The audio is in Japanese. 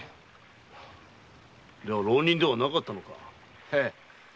では浪人ではなかったのか。